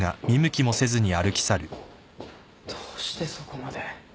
どうしてそこまで。